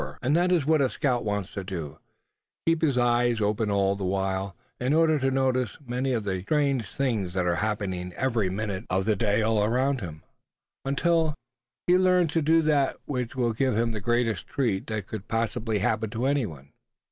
And that is what a scout wants to do, keep his eyes open all the while, in order to notice many of the strange things that are happening every minute of the day all around him; until he learns to do that which will give him the greatest treat that could possibly happen to any one.